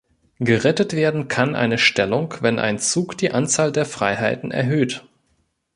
Gerettet werden kann eine Stellung, wenn ein Zug die Anzahl der Freiheiten erhöht.